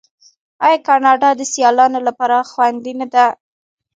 آیا کاناډا د سیلانیانو لپاره خوندي نه ده؟